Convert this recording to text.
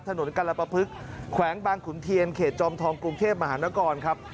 ถนนกรปภึกแขวงบางขุนเทียนเขตจอมทองกรุงเทพมหานครครับ